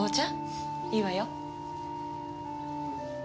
いいわよ。